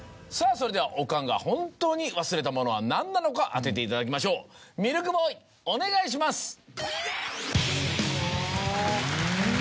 さぁそれではおかんが本当に忘れたものは何なのか当てていただきましょうミルクボーイお願いします！